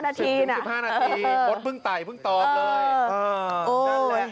๑๐๑๕นาทีมดเพิ่งไตเพิ่งตอบเลย